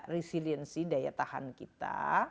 resiliensi daya tahan kita